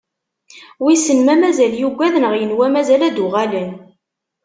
Wisen ma mazal yugad neɣ yenwa mazal ad d-uɣalen.